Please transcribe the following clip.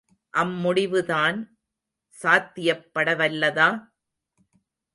அம் முடிவுதான் சாத்தியப்படவல்லதா?